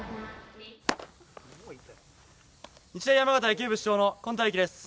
日大山形野球部主将の今田歩希です。